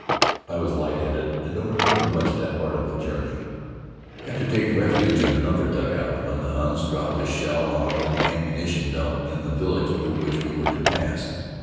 I was light headed and don't remember much of that part of the journey. Had to take refuge in another dugout when the Huns dropped a shell on an ammunition dump in a village through which we were to pass.